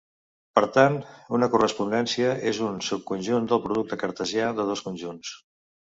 Per tant, una correspondència és un subconjunt del producte cartesià de dos conjunts.